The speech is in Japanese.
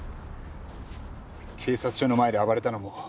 警察署の前で暴れたのも。